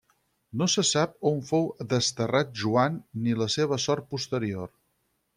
No se sap on fou desterrat Joan ni la seva sort posterior.